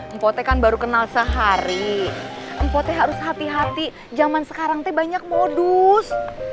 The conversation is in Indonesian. empotekan baru kenal sehari empotek harus hati hati zaman sekarang teh banyak modus